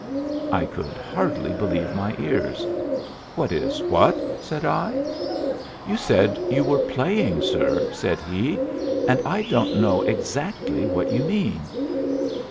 I could hardly believe my ears. "What is what?" said I. "You said you were playing, sir," said he, "and I don't know exactly what you mean."